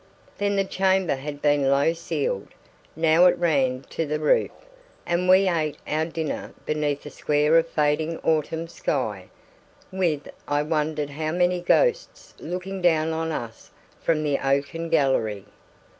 Then the chamber had been low ceiled; now it ran to the roof, and we ate our dinner beneath a square of fading autumn sky, with I wondered how many ghosts looking down on us from the oaken gallery!